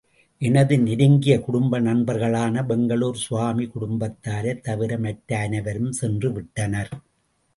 எனது நெருங்கிய குடும்ப நண்பர்களான பெங்களூர் சுவாமி குடும்பத்தாரைத் தவிர மற்ற அனைவரும் சென்று விட்டனர்.